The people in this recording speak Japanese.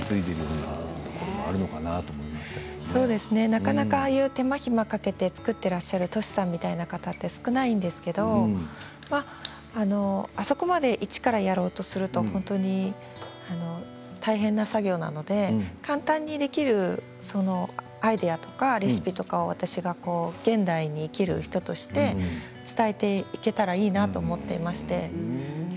なかなかああいう手間暇かけて作ってらっしゃるとしさんみたいな方は少ないんですけれどあそこから１からやろうとすると大変な作業なので簡単にできるアイデアとかレシピとか私が現代に生きる人として伝えていけたらいいなと思っていまして。